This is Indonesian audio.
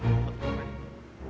kalo diambil semua